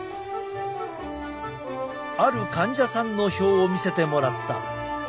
ある患者さんの表を見せてもらった。